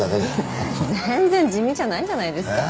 全然地味じゃないじゃないですか。